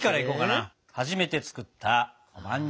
初めて作ったおまんじゅう。